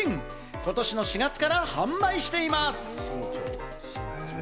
ことしの４月から販売しています。